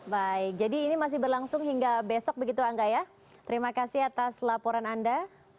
baik jadi ini masih berlangsung hingga besok begitu angga ya terima kasih atas laporan anda